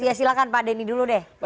ya silahkan pak denny dulu deh